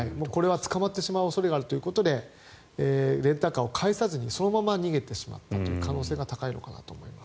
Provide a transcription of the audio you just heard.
捕まる可能性があるということでレンタカーを返さずにそのまま逃げてしまった可能性が高いのかなと思います。